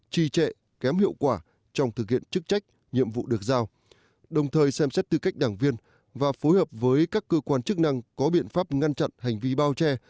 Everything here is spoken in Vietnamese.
trì trệ kém hiệu quả trong thực hiện chức trách nhiệm vụ được giao đồng thời xem xét tư cách đảng viên và phối hợp với các cơ quan chức năng có biện pháp ngăn chặn hành vi bao che